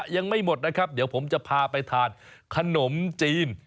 ยังไม่หมดนะครับเดี๋ยวผมจะพาไปทานขนมจีน